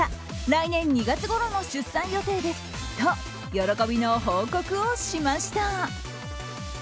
来年２月ごろの出産予定ですと喜びの報告をしました。